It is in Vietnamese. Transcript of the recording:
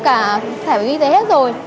cả thẻ bệnh y tế hết rồi